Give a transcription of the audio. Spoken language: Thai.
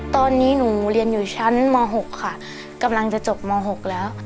ตอนนี้หนูเรียนอยู่ชั้นม๖ค่ะกำลังจะจบม๖แล้ว